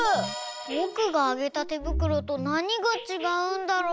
ぼくがあげたてぶくろとなにがちがうんだろう？